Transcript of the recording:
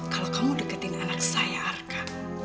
kalau kamu deketin anak saya arka